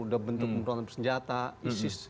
udah bentuk pengurangan senjata isis